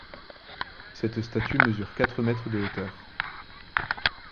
Cette statue mesure quatre mètres de hauteur.